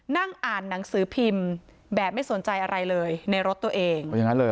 นั่งอ่านหนังสือพิมพ์แบบไม่สนใจอะไรเลยในรถตัวเอง